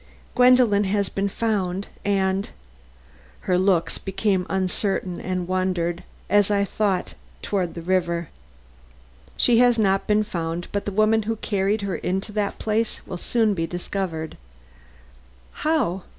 Gwendolen has been found and " her looks became uncertain and wandered, as I thought, toward the river. "She has not been found, but the woman who carried her into that place will soon be discovered." "How?